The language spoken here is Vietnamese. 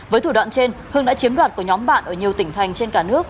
với thủ đoạn trên hương đã chiếm đoạt của nhóm bạn ở nhiều tỉnh thành trên cả nước